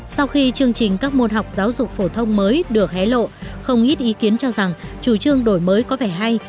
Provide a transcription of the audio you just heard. sau khi chương trình các môn học giáo dục phổ thông mới được hé lộ không ít ý kiến cho rằng chủ trương đổi mới có vẻ hay